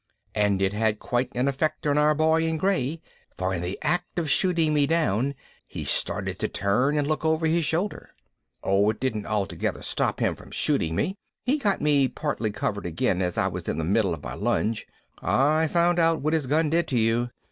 And it had quite an effect on our boy in gray for in the act of shooting me down he started to turn and look over his shoulder. Oh, it didn't altogether stop him from shooting me. He got me partly covered again as I was in the middle of my lunge. I found out what his gun did to you.